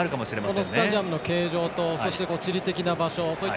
このスタジアムの形状と地理的な場所